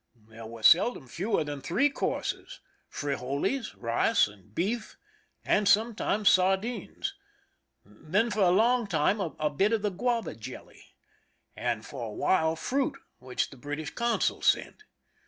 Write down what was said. There were seldom fewer than three courses: frijoles, rice, and beef, and sometimes sardines ; then, for a long time, a bit of the guava jelly; and for a while fruit, which the British consul sent.